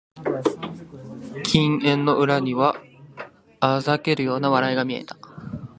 金縁の裏には嘲るような笑いが見えた